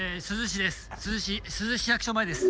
珠洲市です。